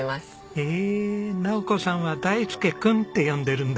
へえ尚子さんは大介君って呼んでるんだ。